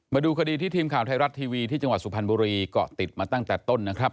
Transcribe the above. มาดูคดีที่ทีมข่าวไทยรัฐทีวีที่จังหวัดสุพรรณบุรีเกาะติดมาตั้งแต่ต้นนะครับ